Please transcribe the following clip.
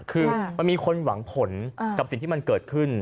คือมันมีคนหวังผลกับสิ่งที่มันเกิดขึ้น